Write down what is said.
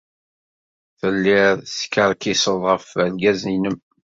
Telliḍ teskerkiseḍ ɣef wergaz-nnem.